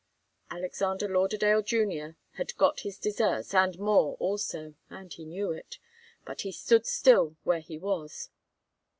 Alexander Lauderdale Junior had got his deserts and more also, and he knew it. But he stood still where he was.